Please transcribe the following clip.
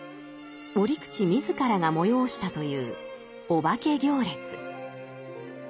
折口自らが催したというお化け行列。